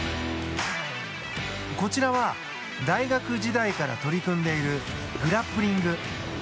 こちらは大学時代から取り組んでいるグラップリング。